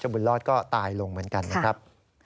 บุญรอดก็ตายลงเหมือนกันนะครับ